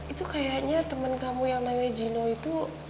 itu kayaknya temen kamu yang namanya gino itu